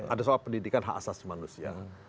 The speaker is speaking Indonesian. ada soal pendidikan hak asasi manusia